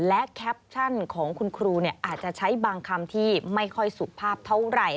และแคปชั่นของคุณครูอาจจะใช้บางคำที่ไม่ค่อยสุภาพเท่าไหร่